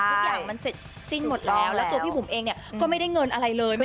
ทุกอย่างมันเสร็จสิ้นหมดแล้วแล้วตัวพี่บุ๋มเองเนี่ยก็ไม่ได้เงินอะไรเลย